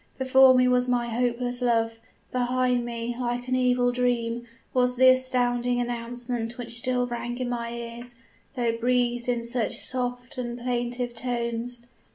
Before me was my hopeless love, behind me, like an evil dream, was the astounding announcement which still rang in my ears, though breathed in such soft and plaintive tones!